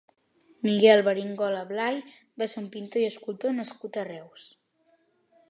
Miquel Beringola Blay va ser un pintor i escultor nascut a Reus.